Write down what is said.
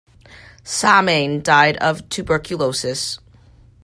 Samain died of tuberculosis.